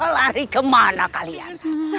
lari kemana kalian